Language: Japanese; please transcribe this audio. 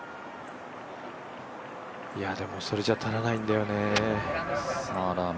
でも、それじゃ足らないんだよね。